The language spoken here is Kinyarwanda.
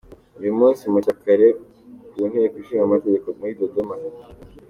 Uyu munsi mu cya kare ku Nteko Ishingamategeko muri Dodoma.